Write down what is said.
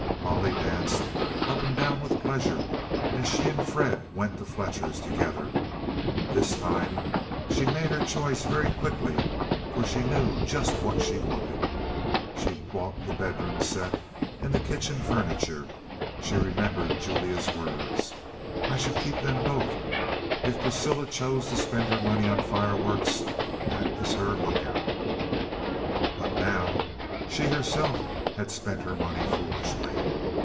Molly danced up and down with pleasure, and she and Fred went to Fletcher's together. This time she made her choice very quickly, for she knew just what she wanted. She bought the bedroom set and the kitchen furniture. She remembered Julia's words: "I should keep them both. If Priscilla chose to spend her money on fireworks, that is her lookout." But now she herself had spent her money foolishly.